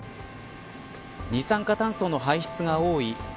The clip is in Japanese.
二酸化炭素の排出が多い